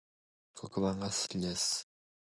黒板が好きです